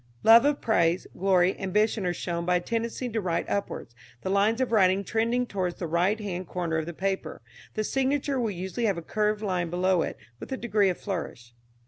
Love of praise, glory, ambition are shown by a tendency to write upwards, the lines of writing trending towards the right hand corner of the paper. The signature will usually have a curved line below it, with a degree of flourish.